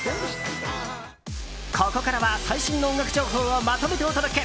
ここからは最新の音楽情報をまとめてお届け。